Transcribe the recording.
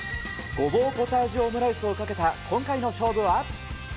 ごぼうポタージュオムライスをかけた今回の勝負は？